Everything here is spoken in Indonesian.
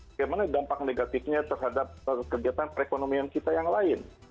bagaimana dampak negatifnya terhadap kegiatan perekonomian kita yang lain